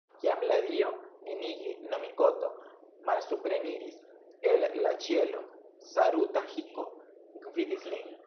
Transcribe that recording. Kiam la dio Ninigi-no-mikoto malsupreniris el la ĉielo, Saruta-hiko gvidis lin.